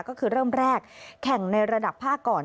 ก็คือเริ่มแรกแข่งในระดับภาคก่อน